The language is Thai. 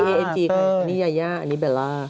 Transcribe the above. อันนี้ยาย่าอันนี้เบลล่า